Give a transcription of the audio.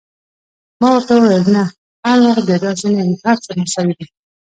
ما ورته وویل: نه، هر وخت بیا داسې نه وي، هر څه مساوي دي.